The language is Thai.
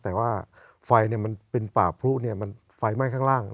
แต่ว่าไฟมันเป็นป่าพลุมันไฟไหม้ข้างล่าง